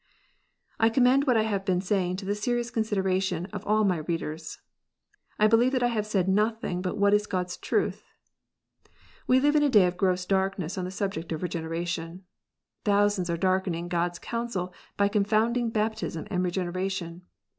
I commend what I have been saying to the serious considera tion of all my readers. I believe that I have said nothing but what is God s truth. We live in a day of gross darkness on the subject of Regeneration. Thousands are darkening God s counsel by confounding baptism and Regeneration.